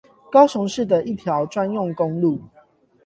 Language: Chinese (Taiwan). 高雄市的一條專用公路